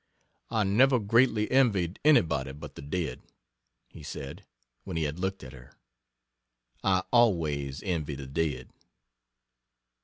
"I never greatly envied anybody but the dead," he said, when he had looked at her. "I always envy the dead."